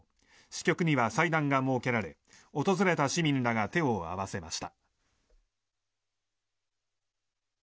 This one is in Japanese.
支局には祭壇が設けられ訪れた市民らが手を合わせました。